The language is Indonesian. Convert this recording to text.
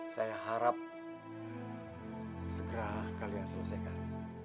saya harap segera kalian selesaikan